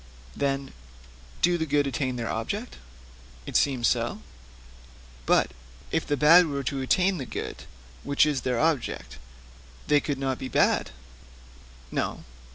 'Then, do the good attain their object?' 'It seems so.' 'But if the bad were to attain the good which is their object, they could not be bad?' 'No.'